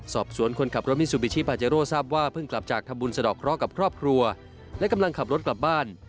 สอบสวนคนขับรถมิซูบิชิปาเจโร่ทราบว่าเพิ่งกลับจากทำบุญสะดอกเคราะห์กับครอบครัวและกำลังขับรถกลับบ้าน